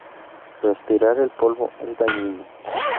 Respirar el polvo es dañino.